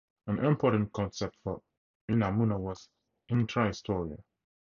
An important concept for Unamuno was "intrahistoria".